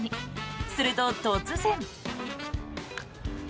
すると、突然。